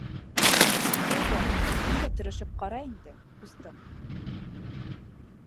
Әйҙә, һин дә тырышып ҡара инде, ҡустым.